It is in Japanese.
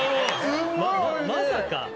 まさか！